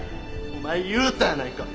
お前言うたやないか。